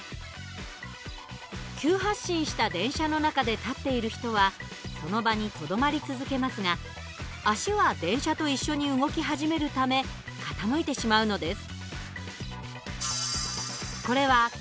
急発進した電車の中で立っている人はその場にとどまり続けますが足は電車と一緒に動き始めるため傾いてしまうのです。